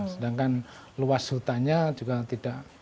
sedangkan luas hutannya juga tidak